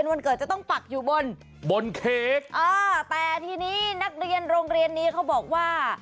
บนเค้กอ่าแต่ทีนี้นักเรียนโรงเรียนนี้เขาบอกว่า